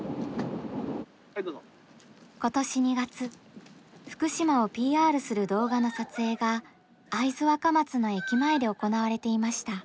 今年２月福島をＰＲする動画の撮影が会津若松の駅前で行われていました。